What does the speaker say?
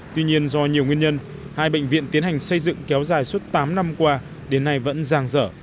tuy nhiên do nhiều nguyên nhân hai bệnh viện tiến hành xây dựng kéo dài suốt tám năm qua đến nay vẫn giang dở